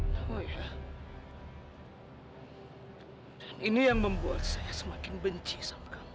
dan ini yang membuat saya semakin benci sama kamu